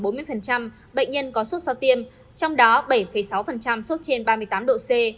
bệnh nhân có sốt sau tiêm trong đó bảy sáu sốt trên ba mươi tám độ c